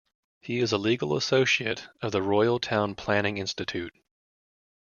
He is a legal associate of the Royal Town Planning Institute.